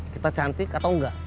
kita cantik atau enggak